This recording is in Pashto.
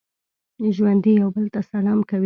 ژوندي یو بل ته سلام کوي